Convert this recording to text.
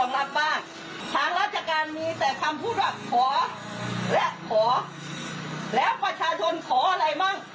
แล้วประชาชนขออะไรบ้าง